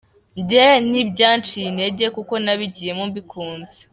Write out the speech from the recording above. Njye ntibyanciye intege kuko nabigiyemo mbikunze.